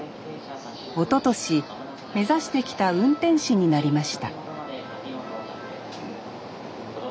おととし目指してきた運転士になりました